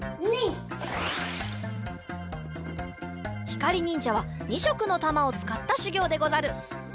ひかりにんじゃは２しょくのたまをつかったしゅぎょうでござる。